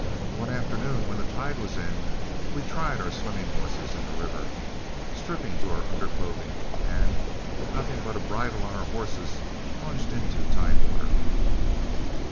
One afternoon when the tide was in, we tried our swimming horses in the river, stripping to our underclothing, and, with nothing but a bridle on our horses, plunged into tidewater.